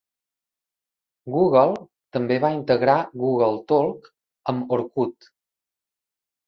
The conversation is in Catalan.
Google també va integrar Google Talk amb Orkut.